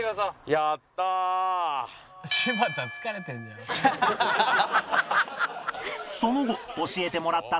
やった！